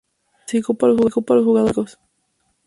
Clasificó para los Juegos Olímpicos.